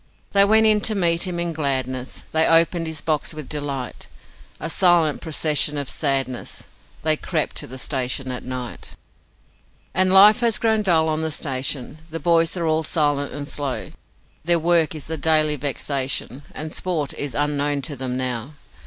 They went in to meet him in gladness, They opened his box with delight A silent procession of sadness They crept to the station at night. And life has grown dull on the station, The boys are all silent and slow; Their work is a daily vexation, And sport is unknown to them now.